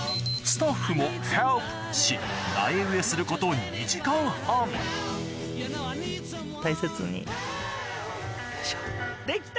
スタッフも「Ｈｅｌｐ！」し苗植えすること２時間半大切によいしょ。